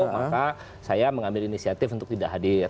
maka saya mengambil inisiatif untuk tidak hadir